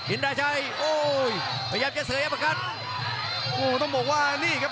โอ้โหพยายามจะเสยบกันโอ้โหต้องบอกว่านี่ครับ